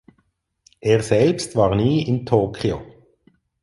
Er selbst war nie in Tokyo.